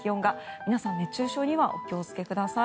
皆さん、熱中症にはお気をつけください。